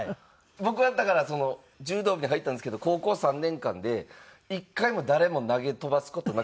僕はだから柔道部に入ったんですけど高校３年間で１回も誰も投げ飛ばす事なく終わりました。